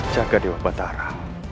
jaga dewa batara